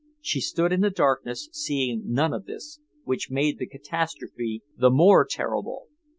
She stood in the darkness, seeing none of this, which made the catastrophe the more terrible.